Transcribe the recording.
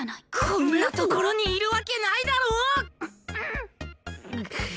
こんな所にいるわけないだろ！